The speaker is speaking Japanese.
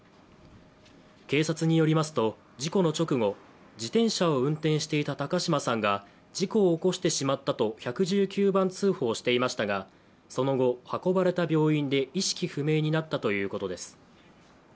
警察によりますと、事故の直後、自転車を運転していた高島さんが事故を起こしてしまったと１１９番通報していましたがその後、運ばれた病院で意識不明になったということです。